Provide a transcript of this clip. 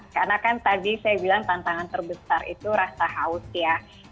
karena kan tadi saya bilang tantangan terbesar itu rasa haus ya